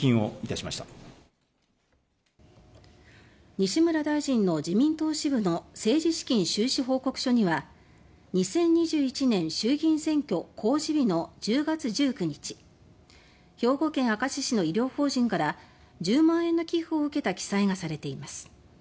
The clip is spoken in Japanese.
西村大臣の自民党支部の政治資金収支報告書には２０２１年衆議院選挙公示日の１０月１９日兵庫県明石市の医療法人から１０万円の寄付を受けた記載がされています。